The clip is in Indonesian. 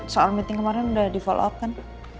soal meeting kemarin udah di follow up kan